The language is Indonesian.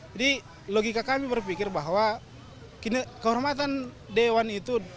jadi logika kami berpikir bahwa kehormatan dewan itu